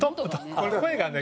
声がね